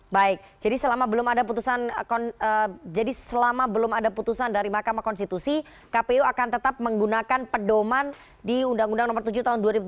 baik jadi selama belum ada putusan dari mahkamah konstitusi kpu akan tetap menggunakan pedoman di undang undang nomor tujuh tahun dua ribu tujuh belas